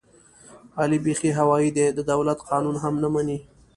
علي بیخي هوایي دی، د دولت قانون هم نه مني.